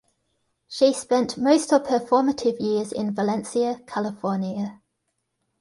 She spent most of her formative years in Valencia, California.